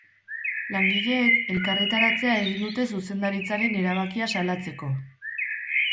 Langileek elkarretaratzea egin dute zuzendaritzaren erabakia salatzeko.